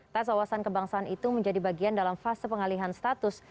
tes wawasan kebangsaan itu menjadi bagian dalam fase pengalihan status